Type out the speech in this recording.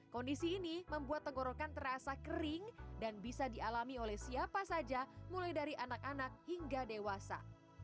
kondisi ini membuat tenggorokan terasa kering dan bisa dialami oleh siapa saja mulai dari anak anak hingga dewasa